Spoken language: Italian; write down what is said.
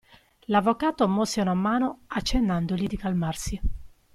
L'avvocato mosse una mano accennandogli di calmarsi.